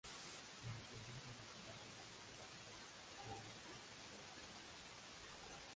En la provincia de Ciudad Real se elabora el moje de bacalao.